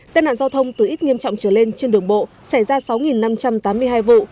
tai nạn giao thông từ ít nghiêm trọng trở lên trên đường bộ xảy ra sáu năm trăm tám mươi hai vụ